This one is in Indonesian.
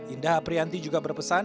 indah aprianti juga berpesan